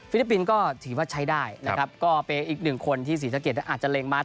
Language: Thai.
ลิปปินส์ก็ถือว่าใช้ได้นะครับก็เป็นอีกหนึ่งคนที่ศรีสะเกดอาจจะเล็งมัด